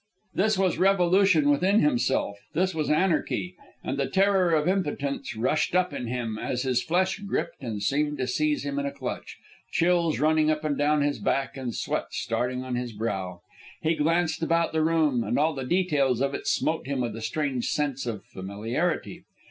This was revolution within himself, this was anarchy; and the terror of impotence rushed up in him as his flesh gripped and seemed to seize him in a clutch, chills running up and down his back and sweat starting on his brow. He glanced about the room, and all the details of it smote him with a strange sense of familiarity.